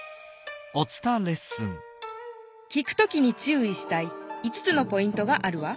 聞くときにちゅういしたい５つのポイントがあるわ。